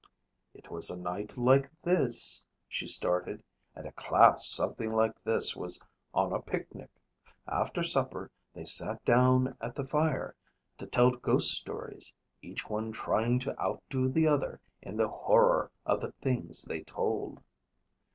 "It was a night like this," she started, "and a class something like this one was on a picnic. After supper they sat down at the fire to tell ghost stories, each one trying to outdo the other in the horror of the things they told."